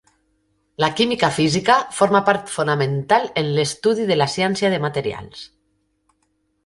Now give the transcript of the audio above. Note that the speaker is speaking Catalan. La química física forma part fonamental en l'estudi de la ciència de materials.